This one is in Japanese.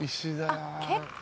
結構。